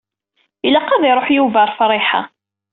Ilaq ad iṛuḥ Yuba ɣer Friḥa.